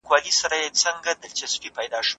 سفارت د اړیکو مرکزي دفتر دی.